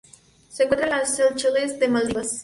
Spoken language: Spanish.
Se encuentra en las Seychelles y Maldivas.